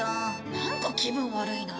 何か気分悪いな。